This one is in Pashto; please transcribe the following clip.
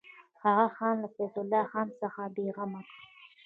هغه ځان له فیض الله خان څخه بېغمه کړ.